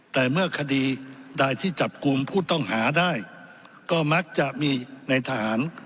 แต่เมื่อคดีใดที่จับกลุ่มผู้ต้องหาได้ก็มักจะมีในทหาร